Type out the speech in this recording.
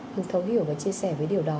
hưng thấu hiểu và chia sẻ với điều đó